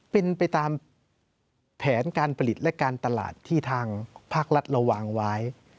เป็นไปตามแผนการผลิตและการตลาดที่ทางภาครัฐเราวางไว้